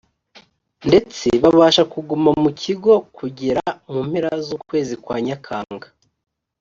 ndetse babasha kuguma mu kigo kugera mu mpera z ukwezi kwa nyakanga